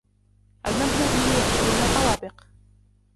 المبنى به عشرون طوابق.